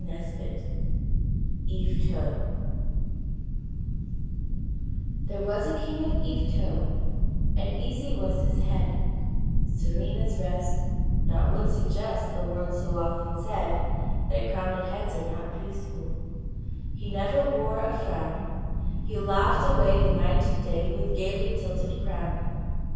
YVETOT There was a king of Yvetot, And easy was his head, Serene his rest naught would suggest The words so often said, That crowned heads are not peaceful; He never wore a frown He laughed away the night and day. With gayly tilted crown.